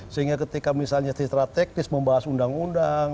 sehingga ketika misalnya si strategis membahas undang undang